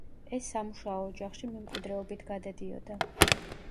ეს სამუშაო ოჯახში მემკვიდრეობით გადადიოდა.